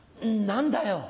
何だよ。